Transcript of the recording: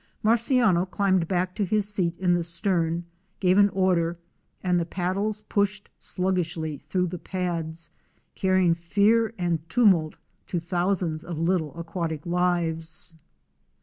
Marciano climbed back to his seat in the stern, gave an order and the paddles pushed sluggishly through the pads, carrying fear and tumult to thousands of little aquatic lives.